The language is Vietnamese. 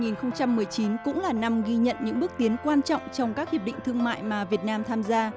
năm hai nghìn một mươi chín cũng là năm ghi nhận những bước tiến quan trọng trong các hiệp định thương mại mà việt nam tham gia